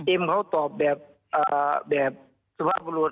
เขาตอบแบบสุภาพบุรุษ